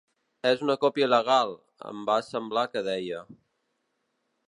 És una còpia il·legal, em va semblar que deia.